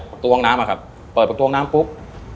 ประตูห้องน้ำอะครับเปิดประตูน้ำปุ๊บ